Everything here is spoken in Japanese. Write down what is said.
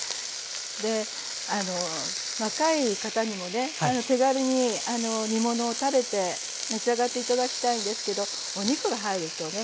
で若い方にもね手軽に煮物を食べて召し上がって頂きたいんですけどお肉が入るとね